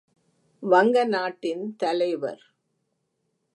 வங்க நாட்டின் தலைவர்.